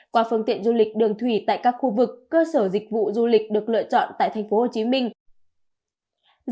qua phương tiện du lịch đường thủy tại các khu vực cơ sở dịch vụ du lịch được lựa chọn tại thành phố hồ chí minh